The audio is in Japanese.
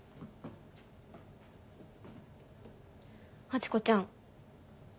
ハチ子ちゃん。